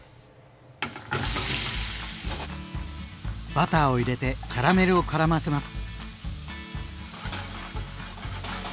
バターを入れてキャラメルをからませます。